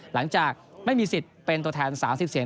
หลังจากไม่มีสิทธิ์เป็นตัวแทน๓๐เสียง